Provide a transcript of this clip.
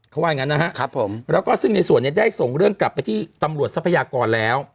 เขาว่าอย่างนั้นนะครับผมแล้วก็ซึ่งในส่วนนี้ได้ส่งเรื่องกลับไปที่ตำรวจทรัพยากรแล้ว